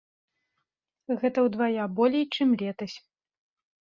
Гэта ўдвая болей, чым летась.